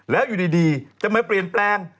แล้วอยู่ดีจะมาเปลี่ยนแปลง